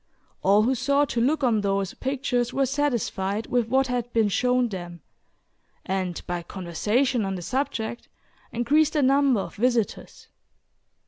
All who sought to look on those pictures were satisfied with what had been shown them, and, by conversation on the subject, increased the number of visitors.